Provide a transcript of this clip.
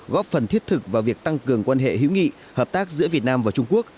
góp phần thiết thực vào việc tăng cường quan hệ hữu nghị hợp tác giữa việt nam và trung quốc